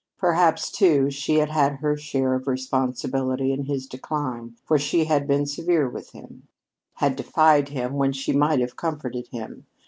Perhaps, too, she had had her share of responsibility in his decline, for she had been severe with him; had defied him when she might have comforted him.